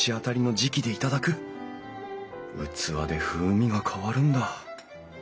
器で風味が変わるんだ。